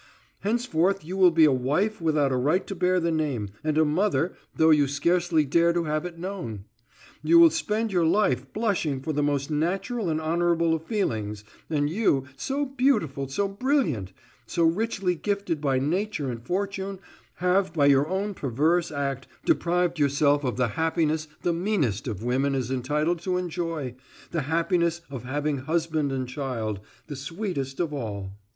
Henceforth you will be a wife without a right to bear the name, and a mother, though you scarcely dare to have it known. You will spend your life blushing for the most natural and honorable of feelings, and you, so beautiful, so brilliant, so richly gifted by nature and fortune, have by your own perverse act deprived yourself of the happiness the meanest of women is entitled to enjoy, the happiness of having husband and child, the sweetest of all!